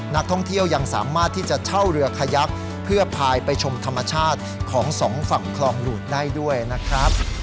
นักท่องเที่ยวยังสามารถที่จะเช่าเรือขยักเพื่อพายไปชมธรรมชาติของสองฝั่งคลองดูดได้ด้วยนะครับ